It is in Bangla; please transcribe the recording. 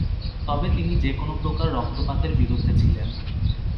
তবে তিনি যেকোন প্রকার রক্তপাতের বিরুদ্ধে ছিলেন।